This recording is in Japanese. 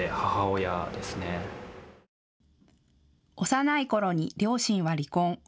幼いころに両親は離婚。